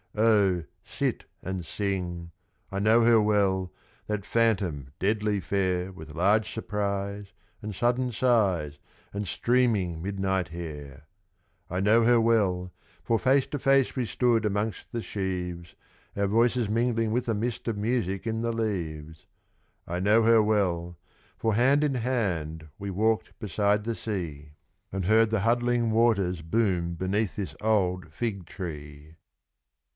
Oh! sit and sing I know her well, that phantom deadly fair With large surprise, and sudden sighs, and streaming midnight hair! I know her well, for face to face we stood amongst the sheaves, Our voices mingling with a mist of music in the leaves! I know her well, for hand in hand we walked beside the sea, And heard the huddling waters boom beneath this old Figtree.